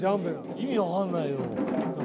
意味わかんないよ。